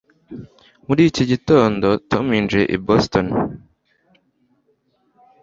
muri iki gitondo, tom yinjiye i boston